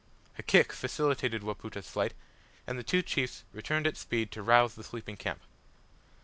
A kick facilitated Wapoota's flight, and the two chiefs returned at speed to rouse the sleeping camp.